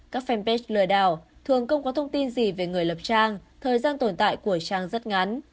các fanpage lừa đảo thường không có thông tin gì về người lập trang thời gian tồn tại của trang rất ngắn